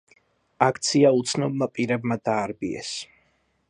აქცია უცნობმა პირებმა დაარბიეს.